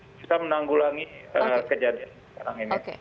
kita menanggulangi kejadian sekarang ini